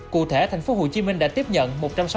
cụ thể tp hcm đã tiếp nhận